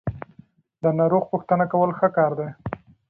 د ناروغ پوښتنه کول ښه کار دی.